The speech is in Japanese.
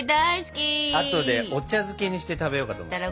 あとでお茶漬けにして食べようかと思って。